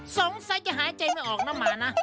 สีสันข่าวชาวไทยรัฐมาแล้วครับ